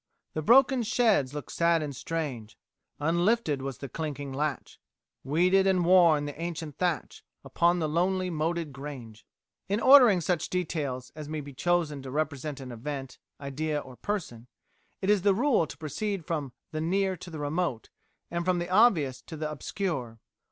The broken sheds looked sad and strange: Unlifted was the clinking latch; Weeded and worn the ancient thatch Upon the lonely moated grange." In ordering such details as may be chosen to represent an event, idea, or person, it is the rule to proceed from "the near to the remote, and from the obvious to the obscure."